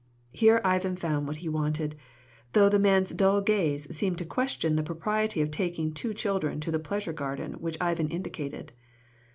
Here Ivan found what he wanted, though the man's dull gaze seemed to question the propriety of taking two children to the pleasure garden which Ivan indicated.